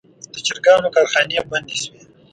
د چرګانو کارخانې بندې شوي.